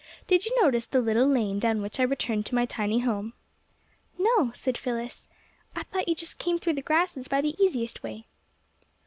"Did you notice the little lane down which I returned to my tiny home?" "No," said Phyllis, "I thought you just came through the grasses by the easiest way."